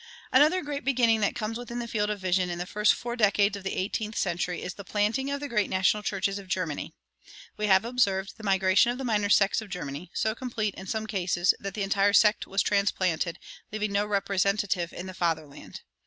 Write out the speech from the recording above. [120:1] Another great beginning that comes within the field of vision in the first four decades of the eighteenth century is the planting of the great national churches of Germany. We have observed the migration of the minor sects of Germany so complete, in some cases, that the entire sect was transplanted, leaving no representative in the fatherland.